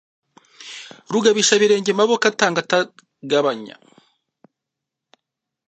Rugabisha-birenge Maboko atanga atagabanya,